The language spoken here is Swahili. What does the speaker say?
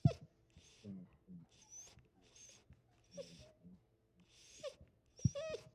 Tia mafuta kwenye sufuria kubwa lenye mchanganyiko wa pilau kisha chemsha mafuta